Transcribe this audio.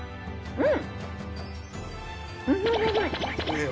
うん。